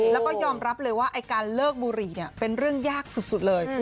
แล้วก็ยอมรับเลยว่าไอ้การเลิกบุหรี่เป็นเรื่องยากสุดเลย